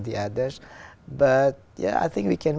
và trong khoảng hai năm